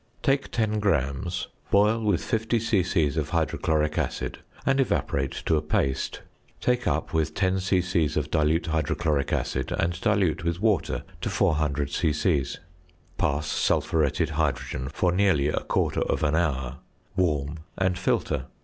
~ Take 10 grams, boil with 50 c.c. of hydrochloric acid, and evaporate to a paste; take up with 10 c.c. of dilute hydrochloric acid, and dilute with water to 400 c.c. Pass sulphuretted hydrogen for nearly a quarter of an hour; warm, and filter.